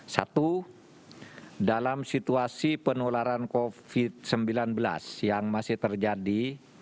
satu dalam situasi penularan covid sembilan belas yang masih terjadi